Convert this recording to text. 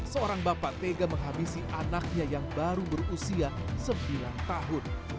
seorang bapak tega menghabisi anaknya yang baru berusia sembilan tahun